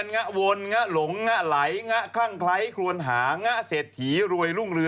แม่ครูอาจารย์คำชูลูกหลานให้ได้ดั่งใจปรารถนาด้วยสาธุ